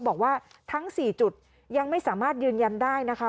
บอกว่าทั้ง๔จุดยังไม่สามารถยืนยันได้นะคะ